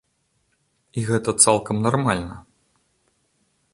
І гэта цалкам нармальна.